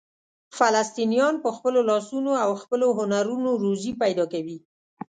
فلسطینیان په خپلو لاسونو او خپلو هنرونو روزي پیدا کوي.